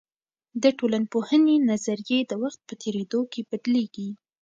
د ټولنپوهني نظريې د وخت په تیریدو کې بدلیږي.